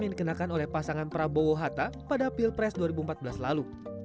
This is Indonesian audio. yang dikenakan oleh pasangan prabowo hatta pada pilpres dua ribu empat belas lalu